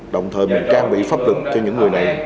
đồng thời mình trang bị pháp lực cho những người này